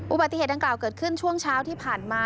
อุบัติเหตุดังกล่าวเกิดขึ้นช่วงเช้าที่ผ่านมา